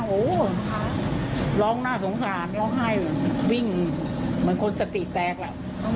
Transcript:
โอ้โหร้องน่าสงสารร้องไห้แบบวิ่งเหมือนคนสติแตกแหละ